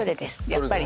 やっぱり。